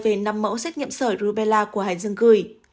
về năm mẫu xét nghiệm sởi rubella của hải dương gửi